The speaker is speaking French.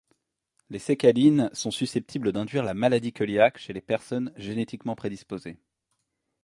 Les sécalines sont susceptibles d'induire la maladie cœliaque chez les personnes génétiquement prédisposées.